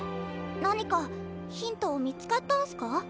何かヒント見つかったんすか？